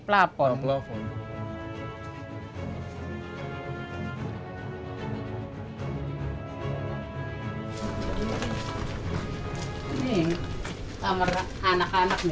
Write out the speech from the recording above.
kalau lagi pasang ini ya banjir pasang ya